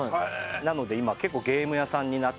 なので今結構ゲーム屋さんになって。